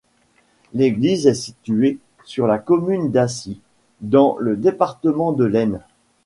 L'église est située sur la commune d'Acy, dans le département de l'Aisne.